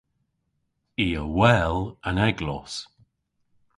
I a wel an eglos.